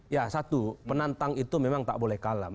ya satu penantang itu memang tak boleh kalah